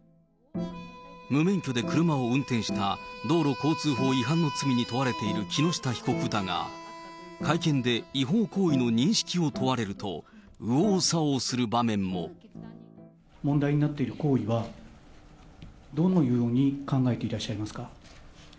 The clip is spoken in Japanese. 無免許で車を運転した道路交通法違反の罪に問われている木下被告だが、会見で違法行為の認識を問われると、問題になっている行為は、どのように考えていらっしゃいますか？